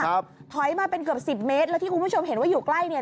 ถอยมาเป็นเกือบสิบเมตรแล้วที่คุณผู้ชมเห็นว่าอยู่ใกล้เนี่ย